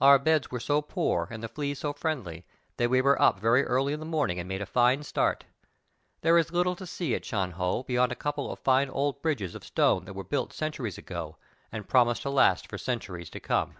Our beds were so poor and the fleas so friendly that we were up very early in the morning and made a fine start. There is little to see at Sha Ho beyond a couple of fine old bridges of stone that were built centuries ago, and promise to last for centuries to come.